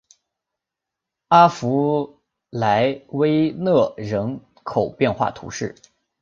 阿弗莱维勒人口变化图示